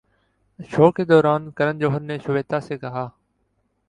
شو کے دوران کرن جوہر نے شویتا سے کہا